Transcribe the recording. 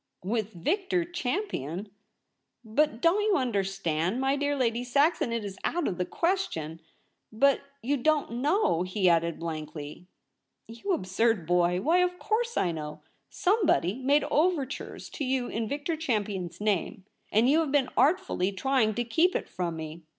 * With Victor Champion ! But — don't you understand ? My dear Lady Saxon, it is out of the question. But you don't know/ he added blankly. * You absurd boy ! Why, of course I know. Somebody made overtures to you in Victor Champion's name, and you have been artfully trying to keep it from me.